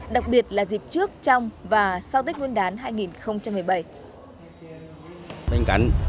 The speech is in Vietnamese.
đặc biệt là dịp trước trong và sau tết nguyên đán hai nghìn một mươi bảy